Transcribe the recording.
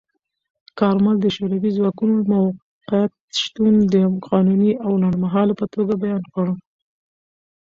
کارمل د شوروي ځواکونو موقت شتون د قانوني او لنډمهاله په توګه بیان کړ.